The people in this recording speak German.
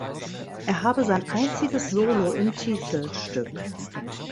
Er habe sein einziges Solo im Titelstück.